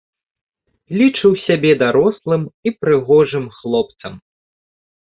Лічыў сябе дарослым і прыгожым хлопцам.